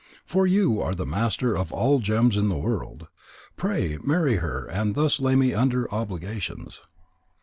For you are the master of all gems in the world. Pray marry her and thus lay me under obligations."